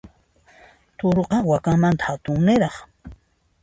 Turuqa, wakamanta hatunniraq.